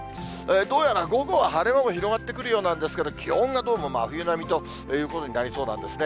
どうやら午後は晴れ間も広がってくるようなんですけど、気温がどうも真冬並みということになりそうなんですね。